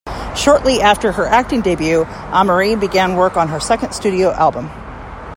Shortly after her acting debut Amerie began work on her second studio album.